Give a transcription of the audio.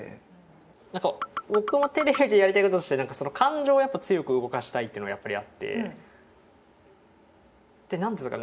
何か僕もテレビでやりたいこととして感情を強く動かしたいっていうのがやっぱりあって何ですかね